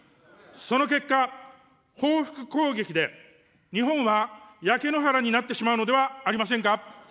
その結果、報復攻撃で日本は焼け野原になってしまうのではありませんか。